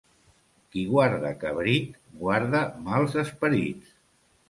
Qui guarda cabrit, guarda mals esperits.